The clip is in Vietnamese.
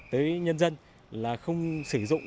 tới nhân dân là không sử dụng